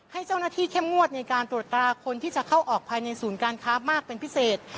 ให้เจ้าหน้าที่เข้มงวดในการตรวจตราคนที่จะเข้าออกภายในศูนย์การค้ามากเป็นพิเศษ